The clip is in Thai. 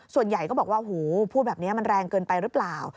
ส่วนใหญ่ก็บอกว่าหูพูดแบบนี้มันแรงเกินไปหรือเปล่า